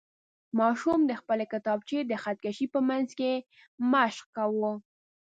ماشوم د خپلې کتابچې د خط کشۍ په منځ کې مشق کاوه.